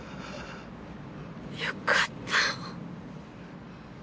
よかった。